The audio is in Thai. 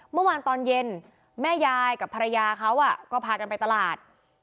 เมื่อวานตอนเย็นแม่ยายกับภรรยาเขาก็พากันไปตลาด